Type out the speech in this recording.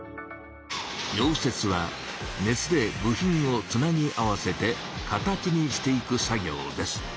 溶接は熱で部品をつなぎ合わせて形にしていく作業です。